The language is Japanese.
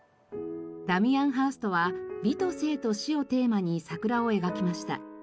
ダミアン・ハーストは「美と生と死」をテーマに桜を描きました。